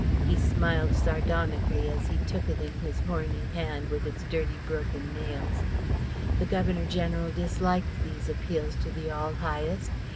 He smiled sardonically as he took it in his horny hand with its dirty broken nails. The Governor General disliked these appeals to the All Highest.